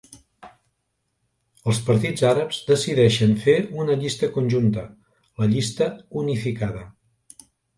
Els partits àrabs decideixen fer una llista conjunta: la Llista Unificada.